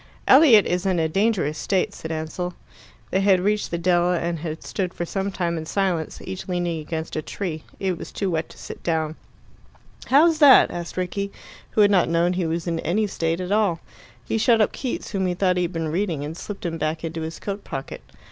"Elliot is in a dangerous state," said Ansell. They had reached the dell, and had stood for some time in silence, each leaning against a tree. It was too wet to sit down. "How's that?" asked Rickie, who had not known he was in any state at all. He shut up Keats, whom he thought he had been reading, and slipped him back into his coat pocket.